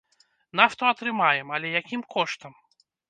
Нафту атрымаем, але якім коштам?